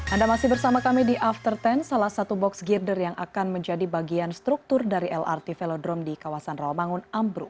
anda masih bersama kami di after sepuluh salah satu box girder yang akan menjadi bagian struktur dari lrt velodrome di kawasan rawamangun ambruk